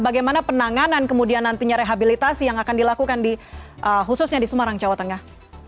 bagaimana penanganan kemudian nantinya rehabilitasi yang akan dilakukan khususnya di semarang jawa tengah